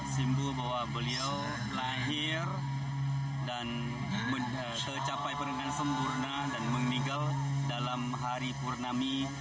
simbol bahwa beliau lahir dan mencapai dengan sempurna dan meninggal dalam hari purnami